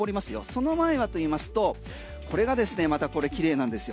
その前はといいますとこれがですねまたこれ奇麗なんですよ。